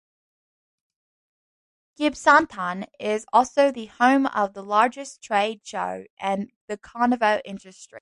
Gibsonton is also the home of the largest trade show in the carnival industry.